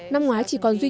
năm ngoái chỉ còn duy trì